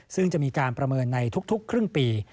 ซึ่งจะมีการประเมินในทุกครึ่งปี